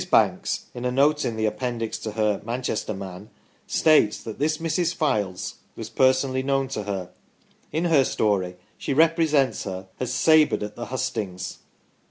Banks, in a note in the Appendix to her " Manchester Man," states that this Mrs. Fildes was personally known to her. In her story she represents her as sabred at the hustings.